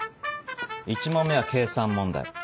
１問目は計算問題。